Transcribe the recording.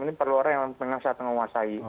ini perlu orang yang sehat menguasai